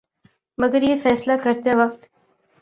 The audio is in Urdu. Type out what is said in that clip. مگر یہ فیصلہ کرتے وقت